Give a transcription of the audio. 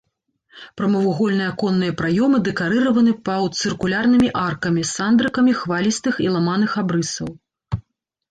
Прамавугольныя аконныя праёмы дэкарыраваны паўцыркульнымі аркамі, сандрыкамі хвалістых і ламаных абрысаў.